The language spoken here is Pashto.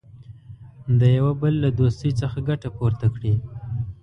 د یوه بل له دوستۍ څخه ګټه پورته کړي.